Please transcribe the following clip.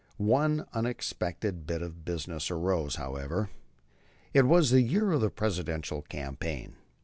One unexpected bit of business arose, however. It was the year of the Presidential campaign.